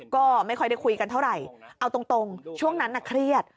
ก็ไม่ค่อยได้คุยกันเท่าไหร่เอาตรงช่วงนั้นน่ะเครียด